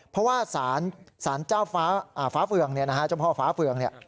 เพราะว่าสารเจ้าฟ้าเฟืองเจ้าพ่อฟ้าเฟืองเนี่ย